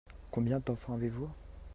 Combien d'enfants avez-vous ?